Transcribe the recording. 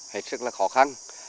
hệ sức là khó khăn